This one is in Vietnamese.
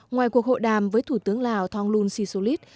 ngoài cuộc hội đàm với thủ tướng lào thang luong si solit